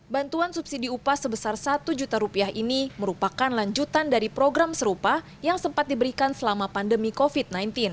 bantuan subsidi upah sebesar satu juta rupiah ini merupakan lanjutan dari program serupa yang sempat diberikan selama pandemi covid sembilan belas